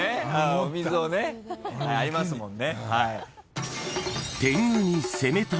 お水をね。ありますもんね。